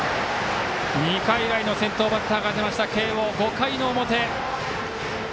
２回以来の先頭バッターが出ました慶応、５回の表。